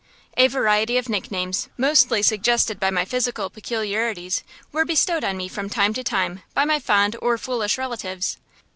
A variety of nicknames, mostly suggested by my physical peculiarities, were bestowed on me from time to time by my fond or foolish relatives.